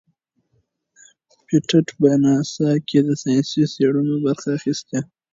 پېټټ په ناسا کې د ساینسي څیړنو برخه اخیستې.